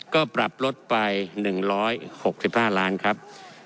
ก็ปรับลดไป๑๖๕ล้านครับ